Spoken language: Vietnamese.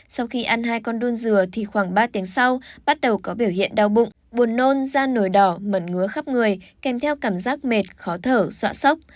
sau khi ăn hai con đun dừa thì khoảng ba tiếng sau bắt đầu có biểu hiện đau bụng buồn nôn da nổi đỏ mẩn ngứa khắp người kèm theo cảm giác mệt khó thở xạ sốc